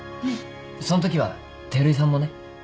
そのときは照井さんもね。